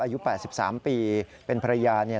อายุ๘๓ปีเป็นภรรยาเนี่ย